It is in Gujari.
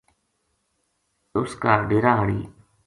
ا س کا ڈیرا ہاڑی